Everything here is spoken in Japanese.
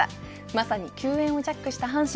まさに球宴をジャックした阪神。